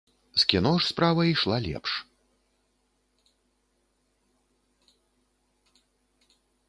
З кіно ж справа ішла лепш.